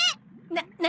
な何？